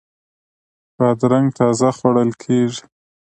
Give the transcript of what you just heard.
بادرنګ تازه خوړل کیږي.